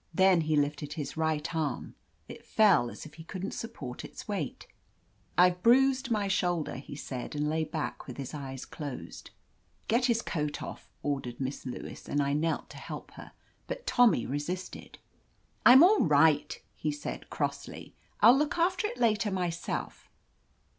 Then he lifted his right arm. It fell as if he couldn't support its weight "I've bruised my shoulder," he said, and lay back with his eyes closed. "Get his coat off," ordered Miss Lewis, and I knelt to help her. But Tommy resisted. "I'm all right," he said crossly. "I'll look after it later myself."